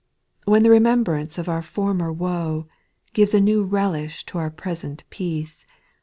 When the remembrance of our former woe, Gives a new relish to our present peace.